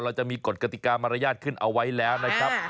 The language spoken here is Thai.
เราจะมีกฎกติกามารยาทขึ้นเอาไว้แล้วนะครับ